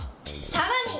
さらに、